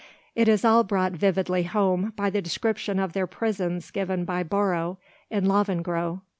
It is all brought vividly home by the description of their prisons given by Borrow in "Lavengro."